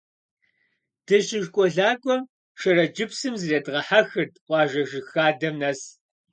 Дыщышколакӏуэм Шэрэджыпсым зредгъэхьэхырт къуажэ жыгхадэм нэс.